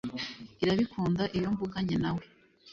irabikunda iyo mvuganye na we